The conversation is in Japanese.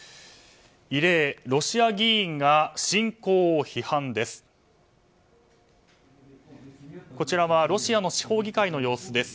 異例ロシア議員が侵攻を批判です。